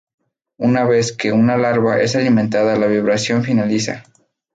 Una vez que una larva es alimentada la vibración finaliza.